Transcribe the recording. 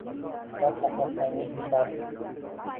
Agar xohlasangiz, etarli